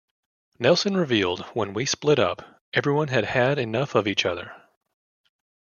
Nelson revealed when we split up, everyone had had enough of each other.